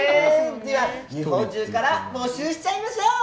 じゃあ日本中から募集しちゃいましょう！